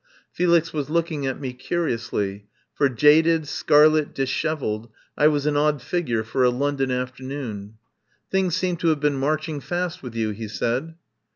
Felix was looking at me curiously, for, jaded, scarlet, dishevelled, I was an odd figure for a London afternoon. "Things seem to have been marching fast with you," he said.